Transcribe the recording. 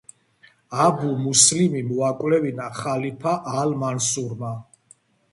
აბუ მუსლიმი მოაკვლევინა ხალიფა ალ-მანსურმა.